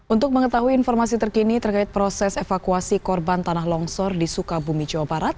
untuk mengetahui informasi terkini terkait proses evakuasi korban tanah longsor di sukabumi jawa barat